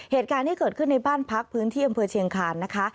เหตุการณ์ที่เกิดขึ้นในบ้านพักพื้นที่อำเภอเชียงคานนะคะ